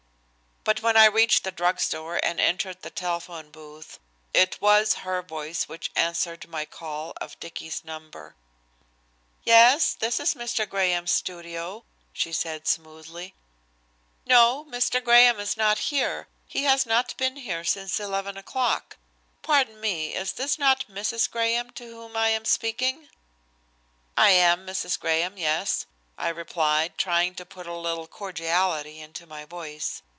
But when I reached the drug store and entered the telephone booth, it was her voice which answered my call of Dicky's number. "Yes, this is Mr. Graham's studio," she said smoothly. "No, Mr. Graham is not here, he has not been here since 11 o'clock. Pardon me, is this not Mrs. Graham to whom I am speaking?" "I am Mrs. Graham, yes," I replied, trying to put a little cordiality into my voice.